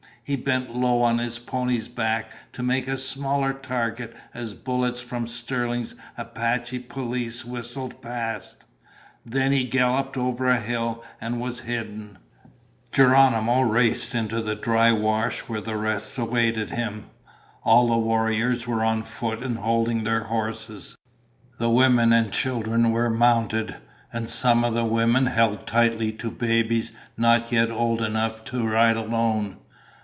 He bent low on his pony's back to make a smaller target as bullets from Sterling's Apache police whistled past. Then he galloped over a hill and was hidden. Geronimo raced into the dry wash where the rest awaited him. All the warriors were on foot and holding their horses. The women and children were mounted, and some of the women held tightly to babies not yet old enough to ride alone.